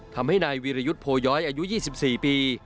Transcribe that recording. ทำให้นายวีรยุทธ์โพย้อยอายุ๒๔ปี